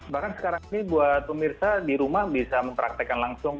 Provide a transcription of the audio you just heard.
bahkan sekarang ini buat pemirsa di rumah bisa mempraktekan langsung